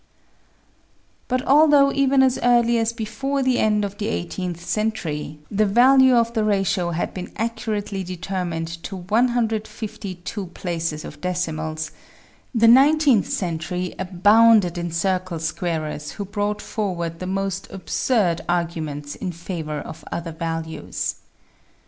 But although even as early as before the end of the eighteenth century, the value of the ratio had been accu rately determined to 1 5 2 places of decimals, the nineteenth century abounded in circle squarers who brought forward the most absurd arguments in favor of other values.